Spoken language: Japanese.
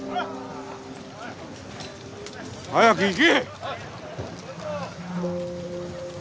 早く行け！